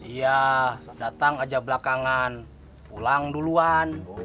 iya datang aja belakangan pulang duluan